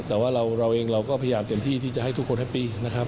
แต่ว่าเราเองเราก็พยายามเต็มที่ที่จะให้ทุกคนแฮปปี้นะครับ